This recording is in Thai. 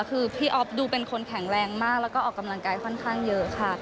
คือพี่อ๊อฟดูเป็นคนแข็งแรงมากแล้วก็ออกกำลังกายค่อนข้างเยอะค่ะ